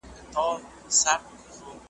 له ناکامه د خپل کور پر لور روان سو `